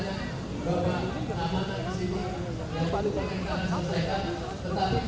apa yang anda lakukan setelah ini